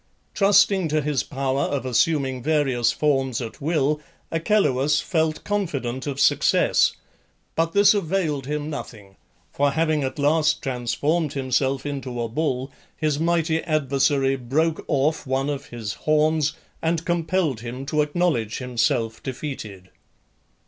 Trusting to his power of assuming various forms at will, Achelous felt confident of success; but this availed him nothing, for having at last transformed himself into a bull, his mighty adversary broke off one of his horns, and compelled him to acknowledge himself defeated.